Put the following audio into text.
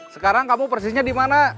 sekarang kamu persisnya dimana